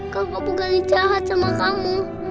kakak mau ganti jahat sama kamu